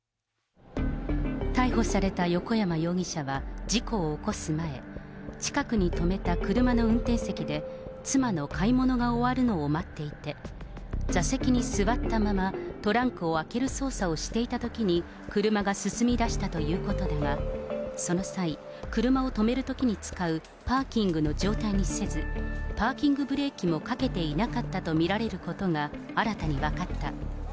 逮捕された横山容疑者は、事故を起こす前、近くに止めた車の運転席で、妻の買い物が終わるのを待っていて、座席に座ったまま、トランクを開ける操作をしていたときに、車が進みだしたということだが、その際、車を止めるときに使うパーキングの状態にせず、パーキングブレーキもかけていなかったと見られることが新たに分かった。